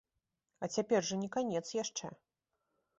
А цяпер жа не канец яшчэ.